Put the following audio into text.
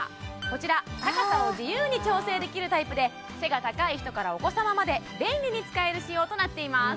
こちら高さを自由に調整できるタイプで背が高い人からお子様まで便利に使える仕様となっています